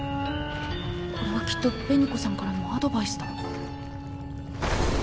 これはきっと紅子さんからのアドバイスだ。